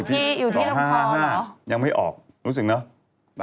เดี๋ยวแต่ได้ข่าวพี่ถูกทุกงวด